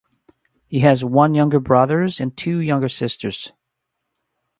He has one younger brother and two younger sisters.